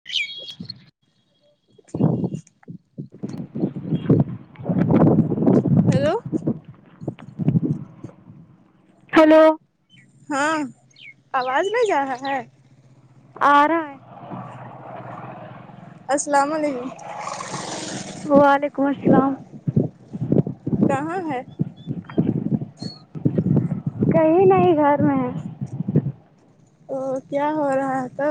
[inaudible] hello hello ہاں آواز نہیں جا رہا ہے آ را ہے السلام علیکم وعلیکم السلام کہاں ہے کہیں نہیں گھر میں او کیا ہو رہا ہے تھا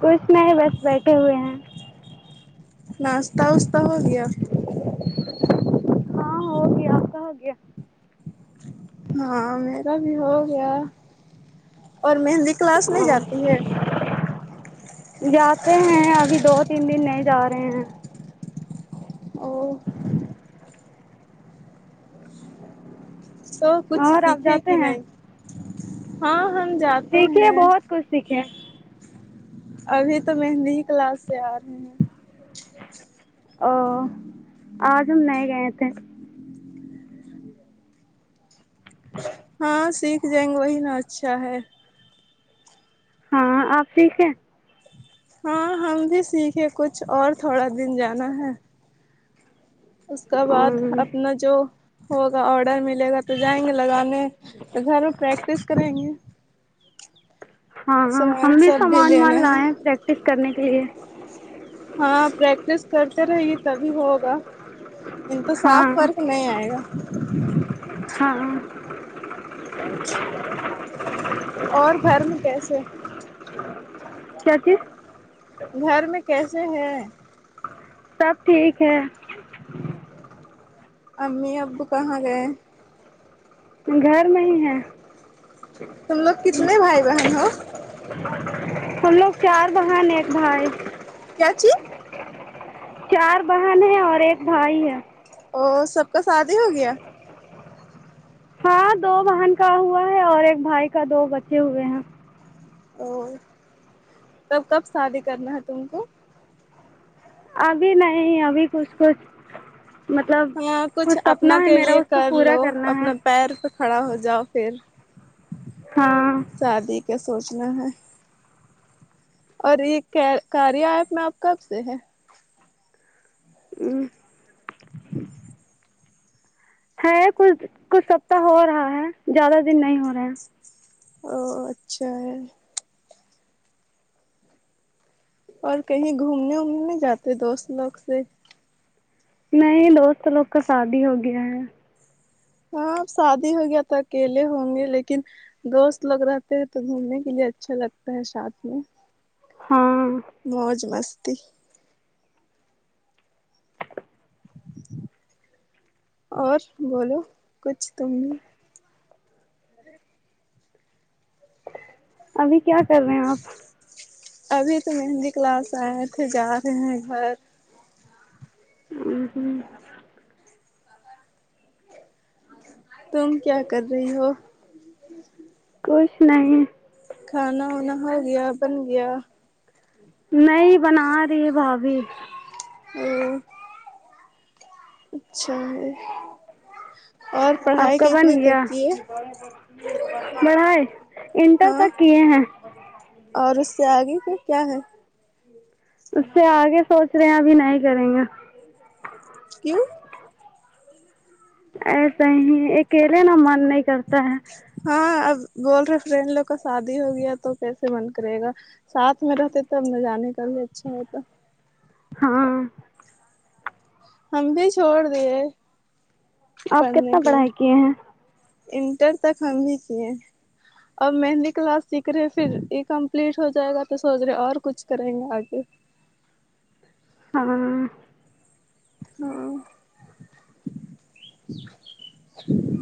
کچھ نہیں بس بیٹھے ہوئے ہیں ناشتہ وشتہ ہو گیا ہاں ہو گیا آپ کا ہو گیا ہاں میرا بھی ہو گیا اور مہندی کلاس نہیں ہاں جاتی ہے جاتے ہیں ابھی دو تین دن نہیں جا رہے ہیں او [inaudible] سو کچھ اور آپ سیکھے کہ جاتے ہیں نہیں ہاں ہم جاتے سیکھے ہیں بہت کچھ سیکھے ابھی تو مہندی کی کلاس سے آ رہے ہیں اں آج ہم نہیں گئے تھے ہاں سیکھ جائیں گے وہی نا اچھا ہے ہاں آپ سیکھے ہاں ہم بھی سیکھے کچھ اور تھوڑا دن جانا ہے اس کا بعد اپنا جو ہوگا آڈر ملے گا تو جائیں گے لگانے تو گھر میں پریکٹس کریں گے ہاں ہاں ہم سامان بھی سب سامان لینا ومان ہے لائے ہیں پریکٹس کرنے کے لیے ہاں پریکٹس کرتے رہیے تبھی ہوگا ان تو صاف ہاں فرق نہیں آئے گا ہاں اور گھر میں کیسے کیا چیز گھر میں کیسے ہیں سب ٹھیک ہے امی ابو کہاں گئے گھر میں ہی ہیں تم لوگ کتنے بھائی بہن ہو ہم لوگ چار بہن ایک بھائی کیا چی چار بہن ہیں اور ایک بھائی ہیں اور سب کا شادی ہو گیا ہاں دو بہن کا ہوا ہے اور ایک بھائی کا دو بچے ہوئے ہیں او تب کب شادی کرنا ہے تم کو ابھی نہیں ابھی کچھ کچھ مطلب ہاں کچھ اپنا سپنا ہے کے میرا لیے اس کو کر پورا لو کرنا ہے اپنا پیر پے کھڑا ہو جاؤ پھر ہاں شادی کا سوچنا ہے اور یہ کا کاریا ایپ میں آپ کب سے ہے ہوں ہے کچھ کچھ ہفتہ ہو رہا ہے زیادہ دن نہیں ہو رہا ہے او او اچھا ہے اور کہیں گھومنے وومنے نہیں جاتے دوست لوگ سے نہیں دوست لوگ کا شادی ہو گیا ہے ہاں اب شادی ہو گیا تو اکیلے ہوں گے لیکن دوست لوگ رہتے ہیں تو گھومنے کے لیے اچھا لگتا ہے ساتھ میں ہاں موج مستی اور بولو کچھ تم ابھی کیا کر رہے ہیں آپ ابھی تو مہندی کلاس آئے تھے پھر جا رہے ہیں گھر ہوں تم کیا کر رہی ہو کچھ نہیں کھانا وانا ہو گیا بن گیا نہیں بنا رہی ہے بھابھی او اچھا ہے اور پڑھائی کتنے تک کی ہے پڑھائی انٹر ہاں تک کیے ہیں اور اس سے آگے کا کیا ہے اس سے آگے سوچ رہے ہیں ابھی نہیں کریں گے کیوں ایسے ہی اکیلے نا من نہیں کرتا ہے ہاں اب بول رہے فرینڈ لوگ کا شادی ہو گیا تو کیسے من کرے گا ساتھ میں رہتے تب نہ جانے کا بھی اچھا ہوتا ہاں ہم بھی چھوڑ دیے آپ پڑھنے کتنا کے پڑھائی کیے ہیں انٹر تک ہم بھی کیے اب مہندی کلاس سیکھ رہے پھر یہ کمپلیٹ ہو جائے گا تو سوچ رہے اور کچھ کریں گے آگے ہاں ہاں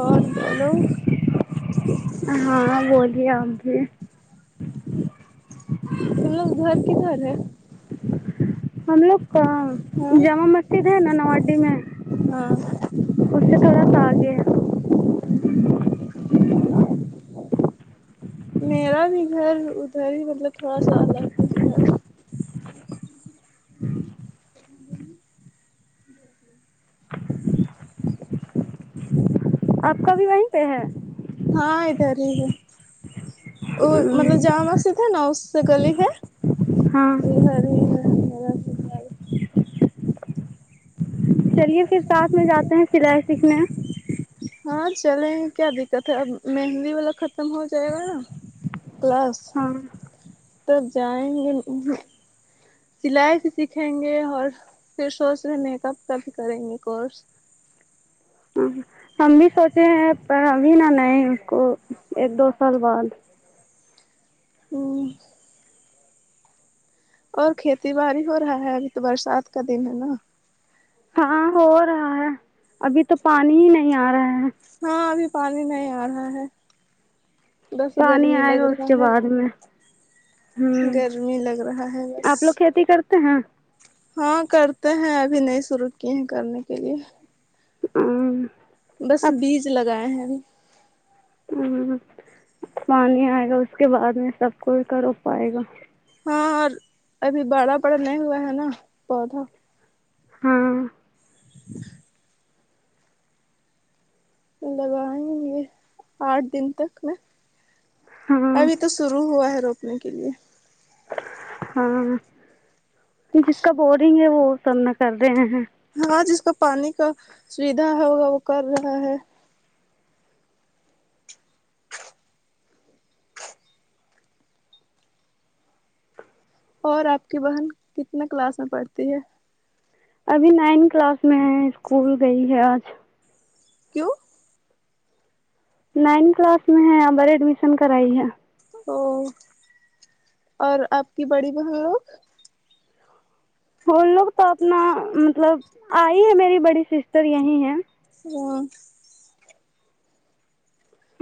اور بولو ہاں بولیے آپ بھی تم لوگ کا گھر کدھر ہے ہم لوگ ہم ہاں جامع مسجد ہے نا نواڈی میں ہاں اس سے تھوڑا سا آگ ے ہے میرا بھی گھر ادھر ہی مطلب تھوڑا سا الگ ادھر آپ کا بھی وہیں پہ ہے ہاں ادھر ہی ہے وہ مطلب جامع مسجد ہے نا اس سے گلی ہے ہاں وہی ہے میرا بھی گھر چلیے پھر ساتھ میں جاتے ہیں سلائی سیکھنے ہاں چلیں کیا دقت ہے اب مہندی والا ختم ہو جائے گا نا کلاس ہاں تب جائیں گے سلائی بھی سیکھیں گے اور پھر سوچ رہے میک اپ کا بھی کریں گے کورس ہاں ہم بھی سوچے ہیں پر ابھی نا نئے اس کو ایک دو سال بعد ہمم اور کھیتی باڑی ہو رہا ہے ابھی تو برسات کا دن ہے نا ہاں ہو رہا ہے ابھی تو پانی ہی نہیں آ رہا ہے ہاں ابھی پانی نہیں آ رہا ہے دس پانی گرمی آئے لگ گا اس رہا کے ہے بعد میں ہوں گرمی لگ رہا ہے بس آپ لوگ کھیتی کرتے ہیں ہاں کرتے ہیں ابھی نہیں شروع کیے ہیں کرنے کے لیے امم بس بیج لگائے ہیں ابھی ہ پانی آئے گا اس کے بعد میں سب کوئی کر ہو پائے گا ہاں اور ابھی باڑا پڑا نہیں ہوا ہے نا پودا ہاں لگائیں گے آٹھ دن تک میں ہاں ابھی تو شروع ہوا ہے روکنے کے لیے ہاں جس کا بورنگ ہے وہ سب میں کر رہے ہیں ہاں جس کا پانی کا سویدھا ہوگا وہ کر رہا ہے اور آپ کی بہن کتنے کلاس میں پڑھتی ہے ابھی نائن کلاس میں ہے اسکول گئی ہے آج کیوں نائن کلاس میں ہے ہمارے ایڈمیشن کرائی ہے او اور آپ کی بڑی بہن لوگ وہ لوگ تو اپنا مطلب آئی ہے میری بڑی سسٹر یہیں ہیں ہمم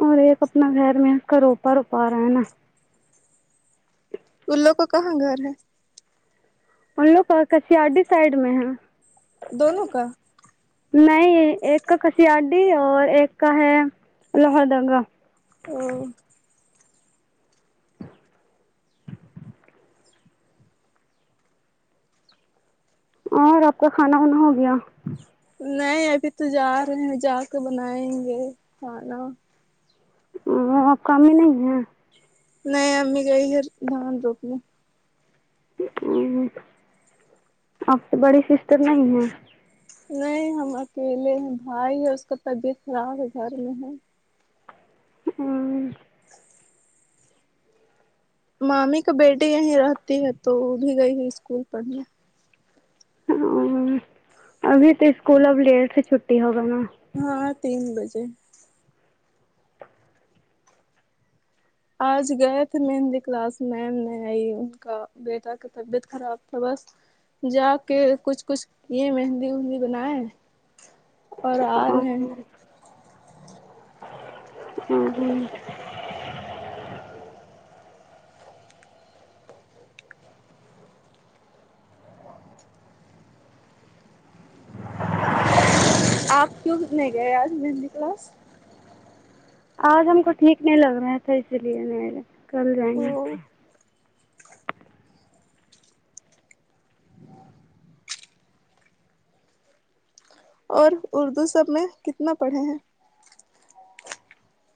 اور ایک اپنا گھر میں اس کا روپا روپا رہا ہے نا ان لوگ کو کہاں گھر ہے ان لوگ کسییا ڈی سائڈ میں ہے دونوں کا نہیں ایک کا کسییاڈی اور ایک کا ہے لوھر دنگا اور اور آپ کا کھانا وانا ہو گیا نہیں ابھی تو جا رہے ہیں جا کے بنائیں گے کھانا وہ کام ہی نہیں ہے نہیں امی گئی گھر دان [unintelligible] ہمم آپ کو بڑی سسٹر نہیں ہے نہیں ہم اکیلے ہیں بھائی ہے اس کا طبیعت خراب ہے گھر میں ہے ہوں مامی کا بیٹی یہیں رہتی ہے تو وہ بھی گئی ہے اسکول پڑھنے ہوں ابھی تو اسکول اب لیٹ سے چھٹی ہوگا نا ہاں تین بجے آج گئے تھے میں مہندی کلاس میں میں آئی ان کا بیٹا کا طبیعت خراب تھا بس جا کے کچھ کچھ یہ مہندی وہندی بنائے ہیں اور آرہے ہے ہمم ہمم آپ کیوں نہیں گئے آج مہندی کلاس آج ہم کو ٹھیک نہیں لگ رہا تھا اسی لیے میں کل جائیں گے او اور اردو سب میں کتنا پڑھے ہیں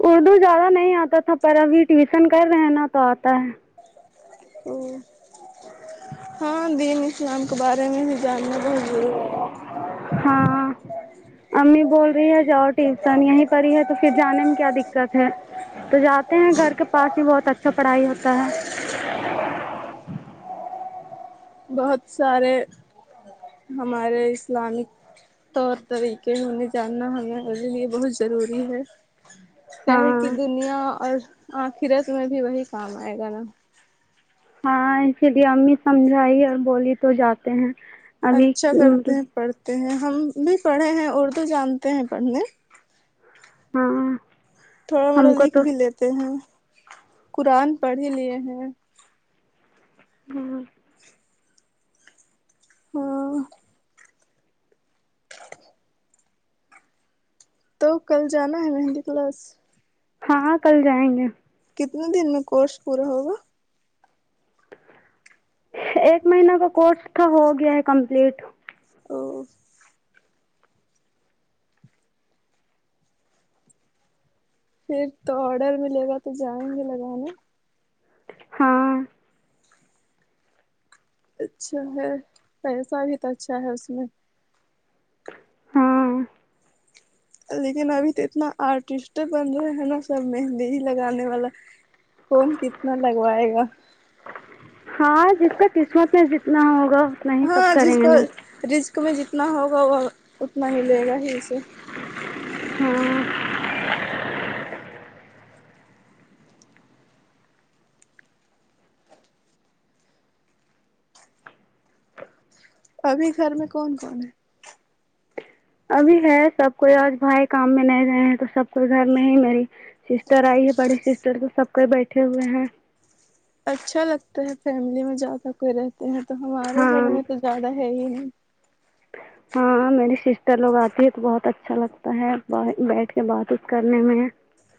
اردو زیادہ نہیں آتا تھا پر ابھی ٹیوشن کر رہے ہیں نہ تو آتا ہے ہاں دین اسلام کے بارے میں بھی جاننا بہت ضروری ہے ہاں امی بول رہی ہے جاؤ ٹیوشن یہی پڑھی ہی ہے تو پھر جانے میں کیا دقت ہے تو جاتے ہیں گھر کے پاس ہی بہت اچھا پڑھائی ہوتا ہے بہت سارے ہمارے اسلامک طور طریقے ہویں جاننا ہمیںے لیے بہت ضروری ہے کیا ہے کی ہاں دنیا اور آخرت میں بھی وہی کام آئے گا نا ہاں اسی لیے امی سمجھائی اور بولی تو جاتے ہیں ابھی اچھا کرتے ہیں پڑھتے ہیں ہم بھی پڑھے ہیں اردو جانتے ہیں پڑھنے ہاں تھوڑا ہم کو لکھ تو بھی لیتے ہیں قرآن پڑھ ہی لیے ہیں ہاں ہوں تو کل جانا ہے مہندی کلاس ہاں کل جائیں گے کتنے دن میں کورس پورا ہوگا ایک مہینہ کا کورس تھا ہو گیا ہے کمپلیٹ او پھر تو آڈر ملے گا تو جائیں گے لگانے ہاں اچھا ہے پیسہ بھی تو اچھا ہے اس میں ہوں ہاں لیکن ابھی تو اتنا آرٹسٹ بن رہے ہیں نا سب مہندی ہی لگانے والا کون کتنا لگوائے گا ہاں جس کا قسمت میں جتنا ہوگا اتنا ہی سب ہاں جس کریں گے کو نا رزق میں جتنا ہوگا وہ اتنا ہی ملے گا ہی اسے ہاں ابھی گھر میں کون کون ہے ابھی میں سب کوئی آج بھائی کام میں نہیں رہے ہیں تو سب کوئی گھر میں ہی میری سسٹر آئی ہے بڑی سسٹر تو سب کو بیٹھے ہوئے ہیں اچھا لگتا ہے فیملی میں زیادہ کوئی رہتے ہیں تو ہمارے گھر ہاں میں تو زیادہ ہے ہی نہیں ہاں میری سسٹر لوگ آتی ہے تو بہت اچھا لگتا ہے بیٹھ کے بات وتھ کرنے میں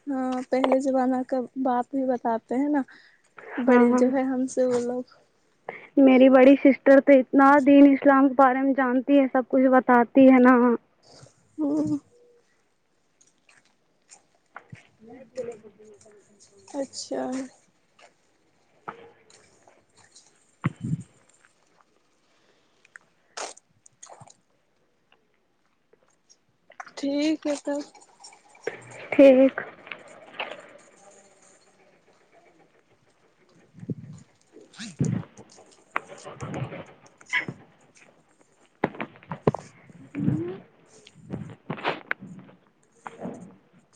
ہاں پہلے زمانہ کا بات بھی بتاتے ہیں نا ہاں بڑی جو ہے ہم سے وہ لوگ میری بڑی سسٹر تو اتنا دین اسلام کے بارے میں جانتی ہے سب کچھ بتاتی ہے نا ہ اچھا ٹھیک ہے پھر ٹھیک ہوں